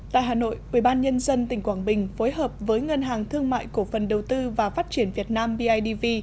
tại hà nội ubnd tỉnh quảng bình phối hợp với ngân hàng thương mại cổ phần đầu tư và phát triển việt nam bidv